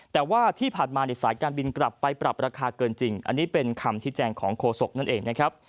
แต่ว่าที่ผ่านมาสายการบินกลับไปปรับราคาเกินจริงอันนี้เป็นคำที่แจงของโฆษกนั่นเองนะครับ